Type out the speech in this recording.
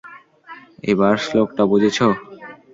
এবার শ্লোকটা বুঝেছো?